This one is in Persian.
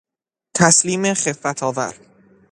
تسلیم خفتآور